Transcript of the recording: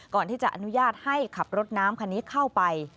ก่อนที่จะอนุญาตให้ขับรถน้ำคันนี้เข้าไป